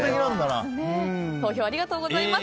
投票ありがとうございます。